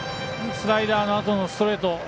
スライダーのあとのストレート